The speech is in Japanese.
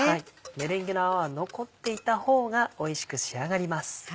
メレンゲの泡は残っていた方がおいしく仕上がります。